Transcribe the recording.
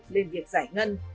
lên việc giải ngân